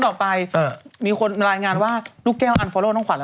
ต่อไปอือมีคนมารายงานว่าลูกแก้วน้องขวัดแล้วนะครับ